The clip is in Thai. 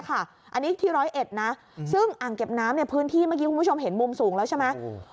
อันนี้ที่ร้อยเอ็ดนะซึ่งอ่างเก็บน้ำพื้นที่เมื่อกี้คุณผู้ชมเห็นมุมสูงแล้วใช่ไหม